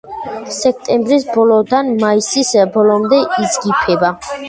სექტემბრის ბოლოდან მაისის ბოლომდე იძგიფება.